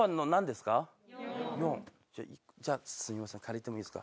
すみません借りてもいいですか？